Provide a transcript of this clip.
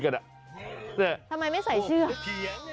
ทำไมไม่ใส่เชือก